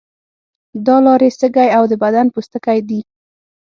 دا لارې سږی او د بدن پوستکی دي.